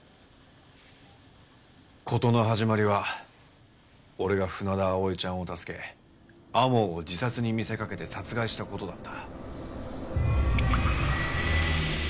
事の始まりは俺が船田葵ちゃんを助け天羽を自殺に見せかけて殺害した事だった。